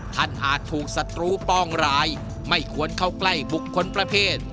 หากถูกศัตรูป้องร้ายไม่ควรเข้าใกล้บุคคลประเภท